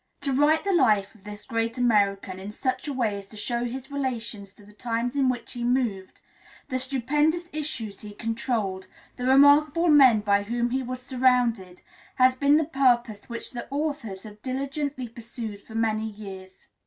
To write the life of this great American in such a way as to show his relations to the times in which he moved, the stupendous issues he controlled, the remarkable men by whom he was surrounded, has been the purpose which the authors have diligently pursued for many years.